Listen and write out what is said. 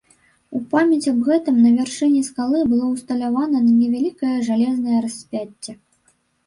У памяць аб гэтым на вяршыні скалы было ўсталявана невялікае жалезнае распяцце.